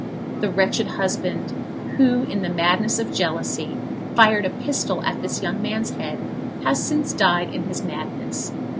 The wretched husband, who, in the madness of jealousy, fired a pistol at this young man's head, has since died in his madness.